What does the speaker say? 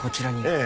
ええ。